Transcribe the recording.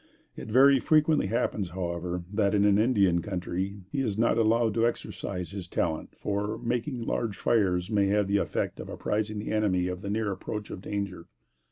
It very frequently happens, however, that in an Indian country, he is not allowed to exercise his talent, for, making large fires might have the effect of apprising the enemy of the near approach of danger.